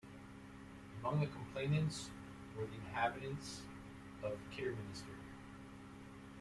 Among the complainants were the inhabitants of Kidderminster.